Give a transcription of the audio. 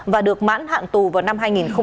và được mãn hạn tù vào năm hai nghìn một mươi sáu